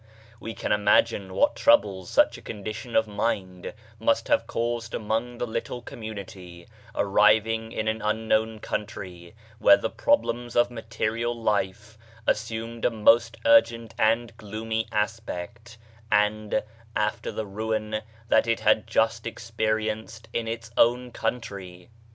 We can imagine what troubles such a condition of mind must have caused among the little com munity, arriving in an unknown country, where the problems of material life assumed a most urgent and gloomy aspect, and after the ruin that it had just ex perienced in its own country.